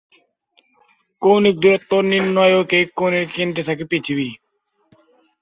কৌণিক দূরত্ব নির্ণায়ক এই কোণের কেন্দ্রে থাকে পৃথিবী।